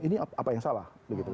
ini apa yang salah